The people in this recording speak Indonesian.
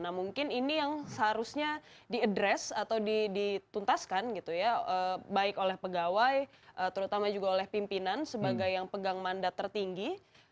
nah mungkin ini yang seharusnya diadres atau dituntaskan gitu ya baik oleh pegawai terutama juga oleh pimpinan sebagai yang pegang mandat tertinggi